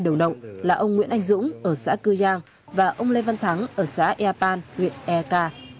đầu động là ông nguyễn anh dũng ở xã cư giang và ông lê văn thắng ở xã eapan huyện eak